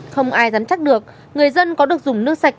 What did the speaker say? không ai gắn chắc được người dân có được dùng nước sạch